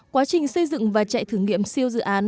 quá trình xây dựng và chạy thử nghiệm siêu dự án